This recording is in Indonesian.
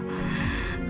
aku akan berhenti